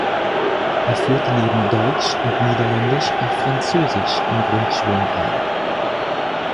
Er führte neben Deutsch und Niederländisch auch Französisch in Grundschulen ein.